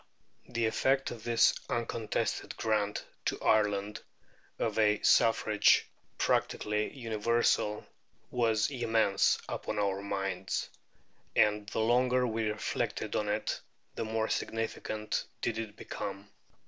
The effect of this uncontested grant to Ireland of a suffrage practically universal was immense upon our minds, and the longer we reflected on it the more significant did it become.